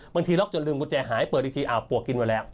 บางทีล็อกจนลืมกุญแจหายเปิดอีกทีอ้าวปวกกินมาแล้ว